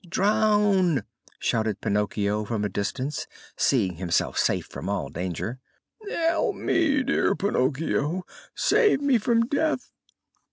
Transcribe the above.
"Drown!" shouted Pinocchio from a distance, seeing himself safe from all danger. "Help me, dear Pinocchio! Save me from death!"